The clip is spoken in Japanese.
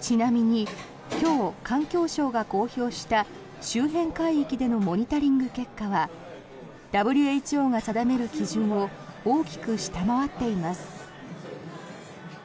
ちなみに今日、環境省が公表した周辺海域でのモニタリング結果はＷＨＯが定める基準を大きく下回っています。